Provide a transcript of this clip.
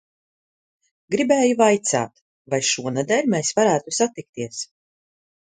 Gribēju vaicāt, vai šonedēļ mēs varētu satikties?